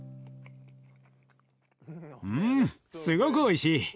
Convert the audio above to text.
うんすごくおいしい。